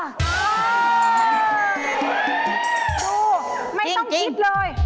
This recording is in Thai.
ครูไม่ต้องคิดเลย